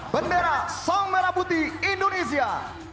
bendera sang merah putih indonesia